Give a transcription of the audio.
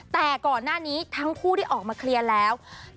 แต่ก่อนหน้านี้ทั้งคู่ได้ออกมาเคลียร์แล้ว